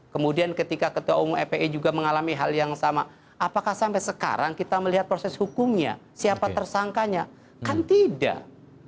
kemudian ketika ketua umum fpi juga mengalami hal yang sama apakah sampai sekarang kita melihat proses hukumnya siapa tersangkanya kan tidak